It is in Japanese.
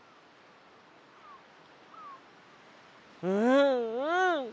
うんうん！